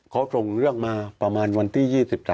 เขาส่งเรื่องมาประมาณวันที่๒๓